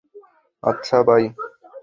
আচ্ছা, বাই।